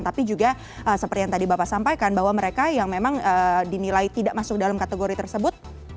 tapi juga seperti yang tadi bapak sampaikan bahwa mereka yang memang dinilai tidak masuk dalam kategori tersebut